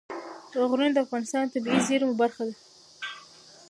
غرونه د افغانستان د طبیعي زیرمو برخه ده.